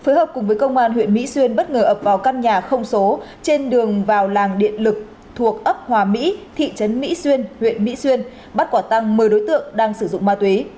phối hợp cùng với công an huyện mỹ xuyên bất ngờ ập vào căn nhà không số trên đường vào làng điện lực thuộc ấp hòa mỹ thị trấn mỹ xuyên huyện mỹ xuyên bắt quả tăng một mươi đối tượng đang sử dụng ma túy